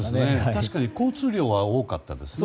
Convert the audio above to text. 確かに交通量は多かったですね。